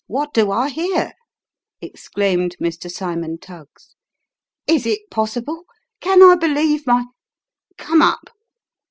what do I hear ?" exclaimed Mr. Cymon Tuggs. " Is it possible ! can I believe my Come up